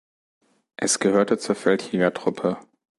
Es gehörte zur Feldjägertruppe.